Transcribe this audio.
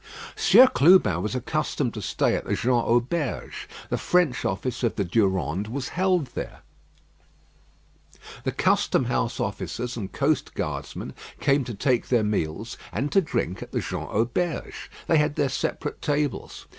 Sieur Clubin was accustomed to stay at the Jean Auberge. The French office of the Durande was held there. The custom house officers and coast guardmen came to take their meals and to drink at the Jean Auberge. They had their separate tables.